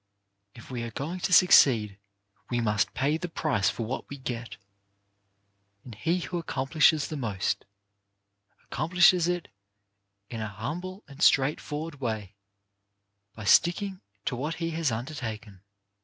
If we are going to succeed we must pay the price for what we get; and he who accom plishes the most, accomplishes it in an humble and straightforward way, by sticking to what he has undertaken.